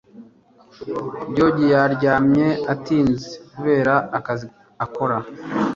George yaryamye atinze kubera akazi akora